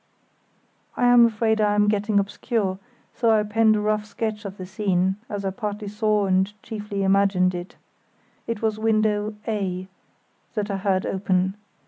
I am afraid I am getting obscure, so I append a rough sketch of the scene, as I partly saw and chiefly imagined it. It was window (A) that I heard open.